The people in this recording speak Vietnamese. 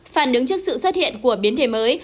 phản ứng trước sự xuất hiện của biến thể mới